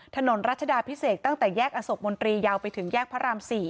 ถนนรัชดาพิเศษตั้งแต่แยกอโศกมนตรียาวไปถึงแยกพระราม๔